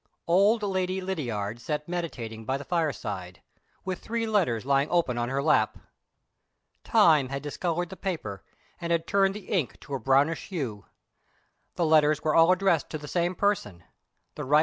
OLD Lady Lydiard sat meditating by the fireside, with three letters lying open on her lap. Time had discolored the paper, and had turned the ink to a brownish hue. The letters were all addressed to the same person "THE RT.